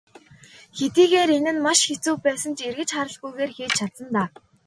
Хэдийгээр энэ нь маш хэцүү байсан ч эргэж харалгүйгээр хийж чадсан даа.